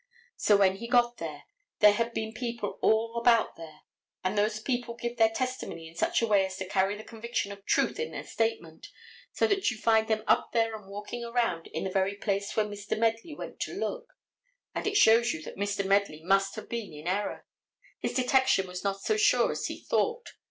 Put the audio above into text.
So when he got there there had been people all about there, and those people give their testimony in such a way as to carry the conviction of truth in their statement, so that you find them up there and walking around in the very place where Mr. Medley went to look, and it shows you that Mr. Medley must have been in error. His detection was not so sure as he thought.